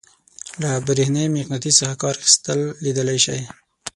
له برېښنايي مقناطیس څخه کار اخیستل لیدلی شئ.